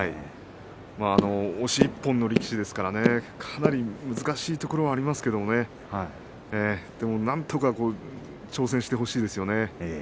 押し１本の力士ですからね、かなり難しいところはありますけどねでも、なんとか挑戦してほしいですね。